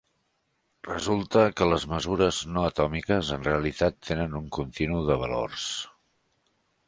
Resulta que les mesures no atòmiques en realitat tenen un continu de valors.